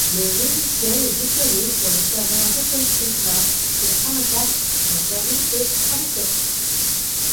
Le logiciel est déployé sur les serveurs d'OpenStreetMap, sur Framacarte, un service de Framasoft.